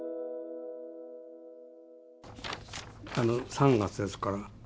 ３月ですから。